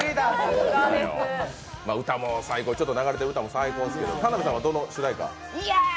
流れている歌も最高ですけど、田辺さんはどの主題歌？